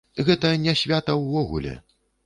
Гэта не свята ўвогуле.